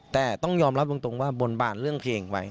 แต่ต้องยอมรับตรงว่าบนบานเรื่องเพลงไว้